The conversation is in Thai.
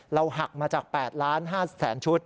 เราหักมาจาก๘๕ล้านชุด